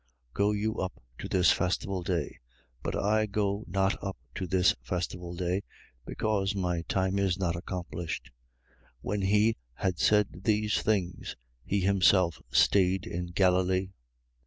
Go you up to this festival day: but I go not up to this festival day, because my time is not accomplished. 7:9. When he had said these things, he himself stayed in Galilee.